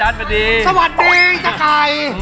สวัสดีจ้าไก่